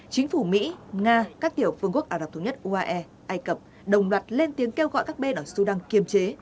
chính phủ mỹ nga các tiểu phương quốc ả rập thống nhất uae ai cập đồng loạt lên tiếng kêu gọi các bên ở sudan kiềm chế